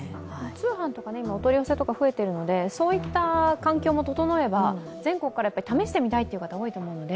通販とかお取り寄せとか今増えているのでそういった環境が整えば全国から試してみたいという方も多いと思いますので。